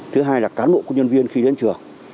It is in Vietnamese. thứ hai là cán bộ công nhân viên khi đến trường